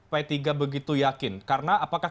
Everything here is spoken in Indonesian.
p tiga begitu yakin karena apakah